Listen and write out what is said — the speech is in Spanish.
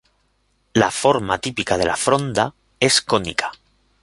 La forma típica de la fronda es cónica.